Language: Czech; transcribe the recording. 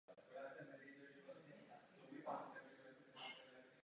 Byl zakladatelem Těšínská větev Piastovců.